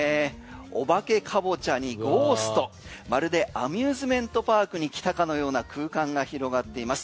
お化けカボチャにゴーストまるでアミューズメントパークに来たかのような空間が広がっています。